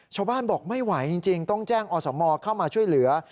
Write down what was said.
ชาวบ้านบอกไม่ไหวจริงต้องแจ้งอสมเข้ามาช่วยเหลือ